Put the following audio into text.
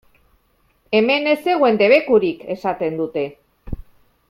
Hemen ez zegoen debekurik!, esaten dute.